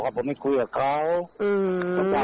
คุณผู้ชมไปฟังเสียงพร้อมกัน